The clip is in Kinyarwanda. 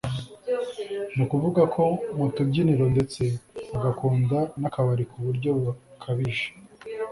nukuvuga nko mu tubyiniro ndetse agakunda n’akabari kuburyo bukabije